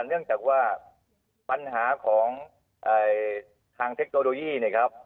เนื่องจากว่าปัญหาของทางเทคโนโลยีเนี่ยครับ